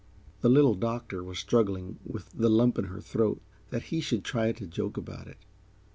The Little Doctor was struggling with the lump in her throat that he should try to joke about it.